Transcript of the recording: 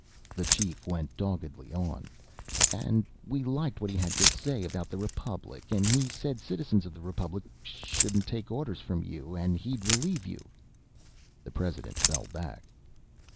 The chief went doggedly on: " and we liked what he had to say about the Republic and he said citizens of the Republic shouldn't take orders from you and he'd relieve you " The President fell back.